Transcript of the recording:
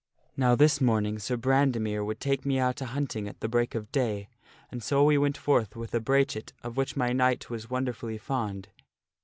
Now this morning Sir Brandemere would take me out a huntingat the break of day, and so we went forth with a brachet of which my knight was won derfully fond.